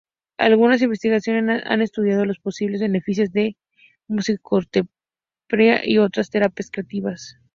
Algunas investigaciones han estudiado los posibles beneficios de la musicoterapia y otras terapias creativas.